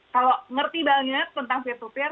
kalau mengerti banget tentang p dua p